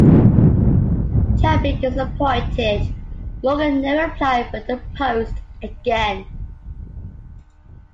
Terribly disappointed, Morgan never applied for the post again.